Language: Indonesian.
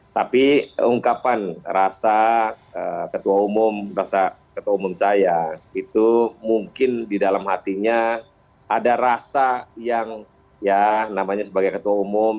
tapi ungkapan rasa ketua umum rasa ketua umum saya itu mungkin di dalam hatinya ada rasa yang ya namanya sebagai ketua umum